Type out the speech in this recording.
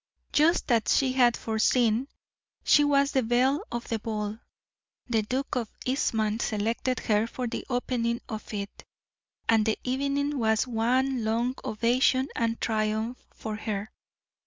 Just as she had foreseen, she was the belle of the ball. The Duke of Eastham selected her for the opening of it, and the evening was one long ovation and triumph for her.